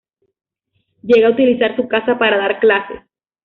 Llega a utilizar su casa para dar clases.